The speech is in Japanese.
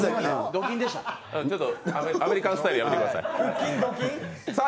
アメリカンスタイル、やめてください。